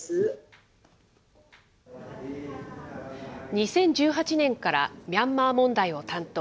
２０１８年からミャンマー問題を担当。